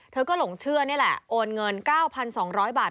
เธอก็หลงเชื่อนี่แหละโอนเงิน๙๒๐๐บาท